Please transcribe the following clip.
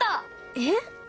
えっ？